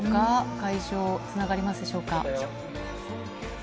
会場、つながりますでしょうか。